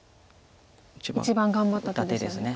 一番頑張った手ですよね。